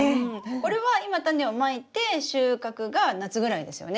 これは今タネをまいて収穫が夏ぐらいですよね。